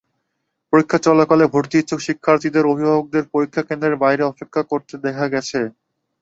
পরীক্ষা চলাকালে ভর্তি ইচ্ছুক শিক্ষার্থীদের অভিভাবকদের পরীক্ষাকেন্দ্রের বাইরে অপেক্ষা করতে দেখা গেছে।